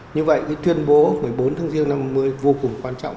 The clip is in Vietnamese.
như vậy tuyên bố một mươi bốn tháng giêng năm một nghìn chín trăm năm mươi vô cùng quan trọng